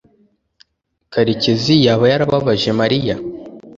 karekezi yaba yarababaje mariya